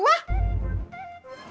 lu berani sama gue enggaknya